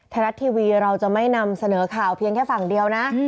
ไทยรัฐทีวีเราจะไม่นำเสนอข่าวเพียงแค่ฝั่งเดียวนะ